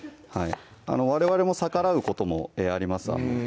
われわれも逆らうこともあります